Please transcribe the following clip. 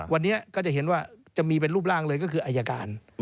วันนี้ก็จะเห็นว่าจะมีเป็นรูปร่างเลยก็คืออายการ